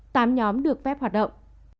ba tám nhóm được phép hoạt động